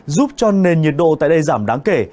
giúp cho nền nhiệt độ tại đây giảm đáng kể